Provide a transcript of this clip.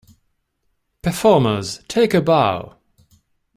Performers, take a bow!